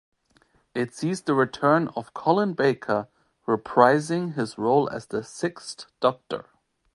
It sees the return of Colin Baker reprising his role as the Sixth Doctor.